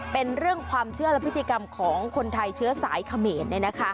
เป็นเรื่องความเชื่อและพฤติกรรมของคนไทยเชื้อสายเขมร